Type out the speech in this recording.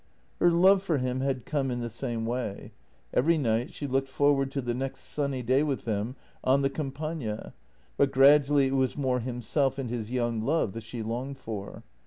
Her love for him had come in the same way. Every night she looked forward to the next sunny day with him on the Campagna, but gradually it was more himself and his young love that she longed for.